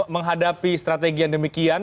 menghadapi strategi yang demikian